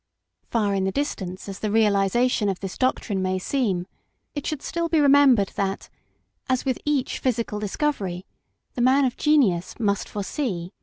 Far in the distance as the realisa tion of this doctrine may seem, it should still be PARENTAGE. 19 remembered that, as with each physical discovery, the man of genius must foresee.